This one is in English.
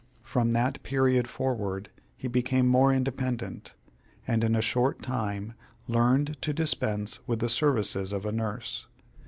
From that period forward he became more independent, and in a short time learned to dispense with the services of a nurse.